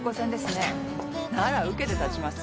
なら受けて立ちます。